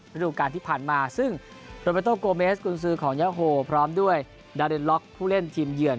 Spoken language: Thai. ฤดูการที่ผ่านมาซึ่งโรเมโตโกเมสกุญซือของยาโฮพร้อมด้วยดาเดนล็อกผู้เล่นทีมเยือน